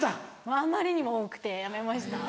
あまりにも多くてやめました。